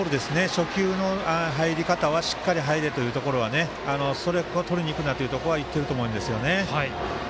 初球の入り方しっかり入れているところはストライクをとりにいくなというのは言っていると思いますね。